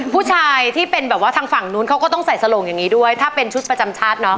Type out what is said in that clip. ผู้ชายที่เป็นแบบว่าทางฝั่งนู้นเขาก็ต้องใส่สโหลงอย่างนี้ด้วยถ้าเป็นชุดประจำชาติเนอะ